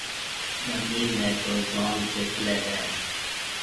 ٻنِي ۾ تو جوم چرڪلَي هيَ۔